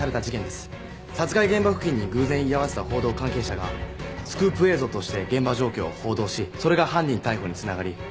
殺害現場付近に偶然居合わせた報道関係者がスクープ映像として現場状況を報道しそれが犯人逮捕につながり話題になりました。